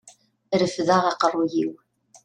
Refdeɣ aqerruy-iw.